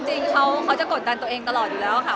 จริงเขาจะกดดันตัวเองตลอดอยู่แล้วค่ะ